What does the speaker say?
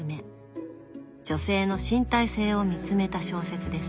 女性の身体性を見つめた小説です。